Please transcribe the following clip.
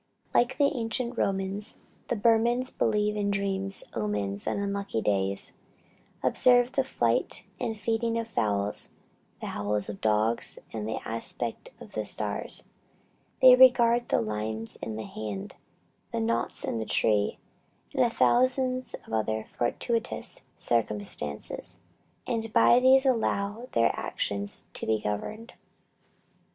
Like the ancient Romans, the Burmans believe in dreams, omens, and unlucky days; observe the flight and feeding of fowls, the howl of dogs, and the aspect of the stars; they regard the lines in the hand, the knots in trees, and a thousand other fortuitous circumstances, and by these allow their actions to be governed.